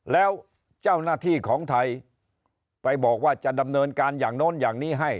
แล้วเจ้าหน้าที่ของไทยไปบอกว่าจะดำเนินการอย่างโน้นอย่างนี้ให้